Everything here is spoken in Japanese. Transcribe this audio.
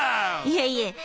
いえいえ